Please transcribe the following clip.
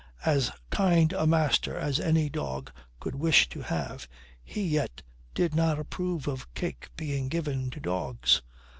As kind a master as any dog could wish to have, he yet did not approve of cake being given to dogs.